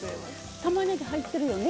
たまねぎ入ってるよね？